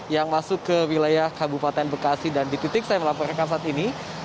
yang masuk ke wilayah kabupaten bekasi dan di titik saya melaporkan saat ini